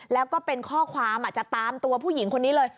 แล้วก็เป็นข้อความจะตามตัวผู้หญิงคนนี้เลย